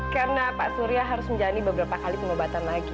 karena pak surya harus menjalani beberapa kali pengobatan lagi